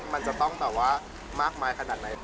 มันจะต้องแบบว่ามากมายขนาดไหน